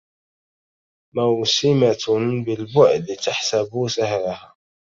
موسومة بالبعد تحسب سهلها